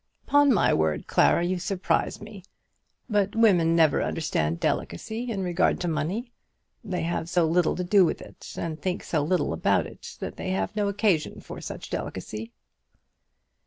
"Upon my word, Clara, you surprise me. But women never understand delicacy in regard to money. They have so little to do with it, and think so little about it, that they have no occasion for such delicacy."